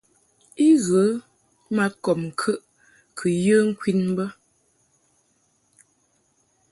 I ghə ma kɔb ŋkəʼ kɨ yə ŋkwin bə.